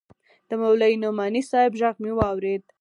د مولوي نعماني صاحب ږغ مې واورېد.